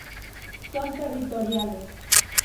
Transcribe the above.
Son territoriales.